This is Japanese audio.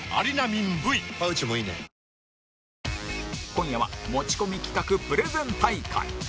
今夜は持ち込み企画プレゼン大会